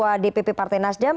tua dpp partai nasdem